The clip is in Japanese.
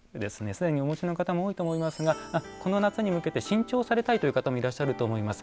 すでにお持ちの方も多いと思うんですけれどもこの夏に向けて新調されたいという方もいらっしゃると思います。